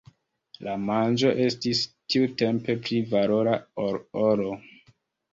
La manĝo estis tiutempe pli valora ol oro.